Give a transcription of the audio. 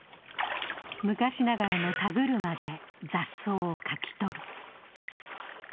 昔ながらの田車で雑草をかきとる。